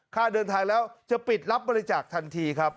ค่าเดินทางแล้วจะปิดรับบริจาคทันทีครับ